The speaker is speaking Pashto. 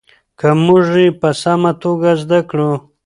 که موږ یې په سمه توګه زده کړو.